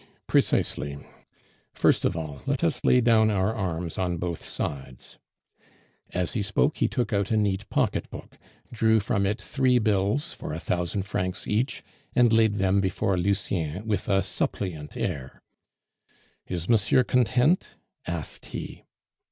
"Precisely. First of all, let us lay down our arms on both sides." As he spoke he took out a neat pocketbook, drew from it three bills for a thousand francs each, and laid them before Lucien with a suppliant air. "Is monsieur content?" asked he.